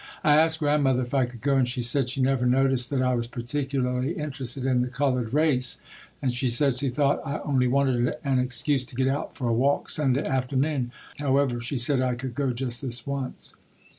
I asked Grandmother if I could go and she said she never noticed that I was particularly interested in the colored race and she said she thought I only wanted an excuse to get out for a walk Sunday afternoon. However, she said I could go just this once.